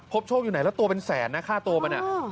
พบโชคอยู่ไหนแล้วตัวเป็นแสนนะค่าตัวมันเนี่ย